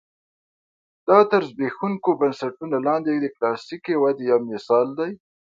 دا تر زبېښونکو بنسټونو لاندې د کلاسیکې ودې یو مثال دی.